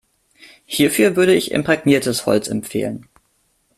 Hierfür würde ich imprägniertes Holz empfehlen.